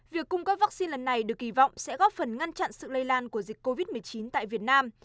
việc cung cấp vaccine lần này được kỳ vọng sẽ góp phần ngăn chặn sự lây lan của dịch covid một mươi chín tại việt nam